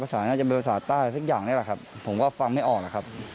น่าจะเป็นภาษาใต้สักอย่างนี่แหละครับผมก็ฟังไม่ออกแล้วครับ